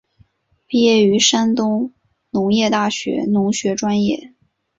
毕业于山东农业大学农学专业。